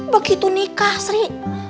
begitu nikah sri